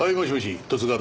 十津川だ。